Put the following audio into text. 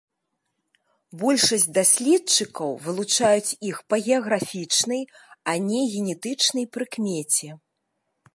Большасць даследчыкаў вылучаюць іх па геаграфічнай, а не генетычнай прыкмеце.